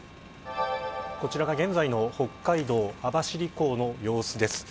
こちらが現在の北海道網走港の様子です。